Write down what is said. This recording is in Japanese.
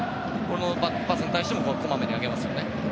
バックパスに対してもこまめに上げますよね。